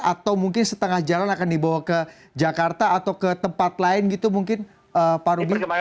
atau mungkin setengah jalan akan dibawa ke jakarta atau ke tempat lain gitu mungkin pak ruby